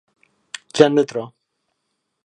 Gent de tro.